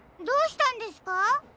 どうしたんですか？